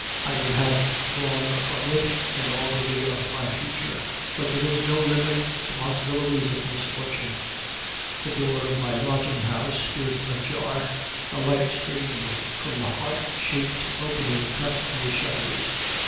I would have drawn from it an augury of my future, but there is no limit to the possibilities of misfortune. The door of my lodging house stood ajar. A light streamed from the heart shaped opening cut in the shutters.